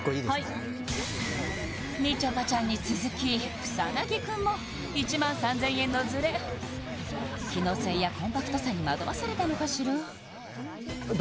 はいみちょぱちゃんに続き草薙くんも１万３０００円のズレ機能性やコンパクトさに惑わされたのかしら？